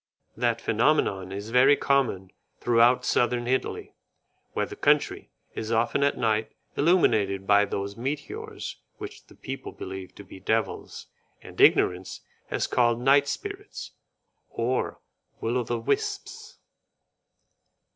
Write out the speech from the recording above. That phenomenon is very common throughout southern Italy where the country is often at night illuminated by those meteors which the people believe to be devils, and ignorance has called night spirits, or will o' the wisps.